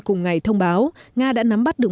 cùng ngày thông báo nga đã nắm bắt được